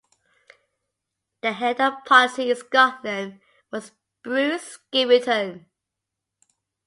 The head of policy in Scotland was Bruce Skivington.